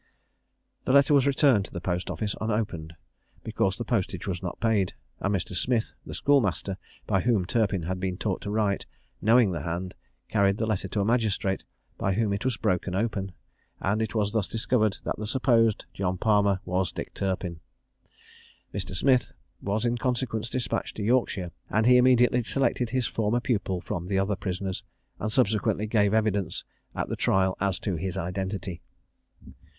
The letter was returned to the Post Office unopened, because the postage was not paid; and Mr. Smith, the schoolmaster, by whom Turpin had been taught to write, knowing the hand, carried the letter to a magistrate, by whom it was broken open, and it was thus discovered that the supposed John Palmer was Dick Turpin. Mr. Smith was in consequence despatched to Yorkshire, and he immediately selected his former pupil from the other prisoners, and subsequently gave evidence at the trial as to his identity.